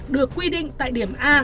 được quy định tại điểm a